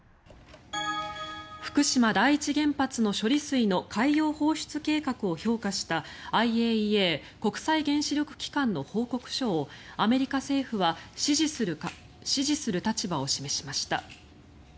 福島第一原発の処理水の海洋放出計画を評価したＩＡＥＡ・国際原子力機関の報告書をアメリカ政府は支持する立場を示しました。